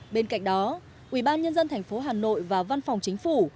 bên cạnh đó ubnd tp hà nội và văn phòng chính phủ